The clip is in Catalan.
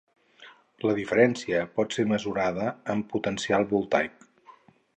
La diferència pot ser mesurada en potencial voltaic.